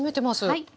はい。